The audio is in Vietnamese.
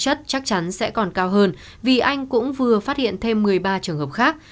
các ca tử vong thực chất chắc chắn sẽ còn cao hơn vì anh cũng vừa phát hiện thêm một mươi ba trường hợp khác